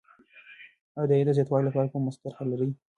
آیا د عاید د زیاتوالي لپاره کومه طرحه لرې؟